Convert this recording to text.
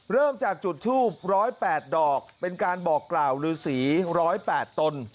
เริ่มจากจุดทูบ๑๐๘ดอกเป็นการบอกกล่าวลือสี๑๐๘ตน